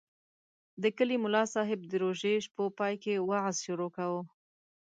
د کلي ملاصاحب د روژې شپو پای کې وعظ شروع کاوه.